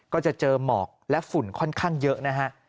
ก็จะเจอหมอกและฝุ่นค่อนข้างเยอะนะฮะ